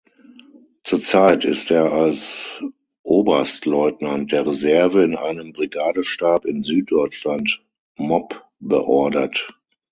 Zurzeit ist er als Oberstleutnant der Reserve in einem Brigadestab in Süddeutschland mob-beordert.